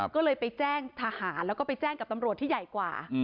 ก็เลยไปแจ้งทหารแล้วก็ไปแจ้งกับตำรวจที่ใหญ่กว่า